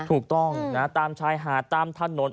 ถูกต้องนะตามชายหาดตามถนน